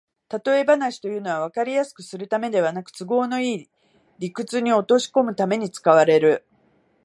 たとえ話というのは、わかりやすくするためではなく、都合のいい理屈に落としこむために使われる